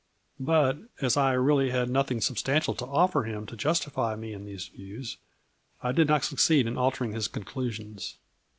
But, as I really had nothing substantial to offer him to justify me in these views, I did not succeed in altering his conclusions.